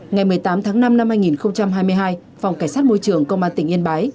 ngày một mươi tám tháng năm năm hai nghìn hai mươi hai phòng cảnh sát môi trường công an tỉnh yên bái